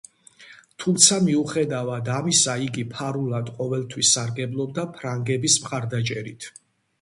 თუმცა, მიუხედავად ამისა, იგი ფარულად ყოველთვის სარგებლობდა ფრანგების მხარდაჭერით.